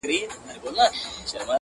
له څو خوښيو او دردو راهيسي.